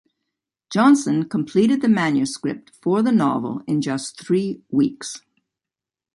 Johnson completed the manuscript for the novel in just three weeks.